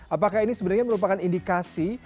apakah ini sebenarnya merupakan indikasi